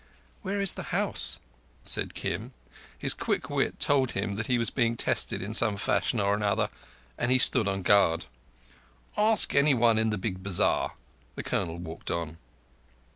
"Where is the house?" said Kim. His quick wit told him that he was being tested in some fashion or another, and he stood on guard. "Ask anyone in the big bazar." The Colonel walked on.